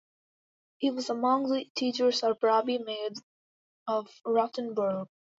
He was among the teachers of Rabbi Meir of Rothenburg.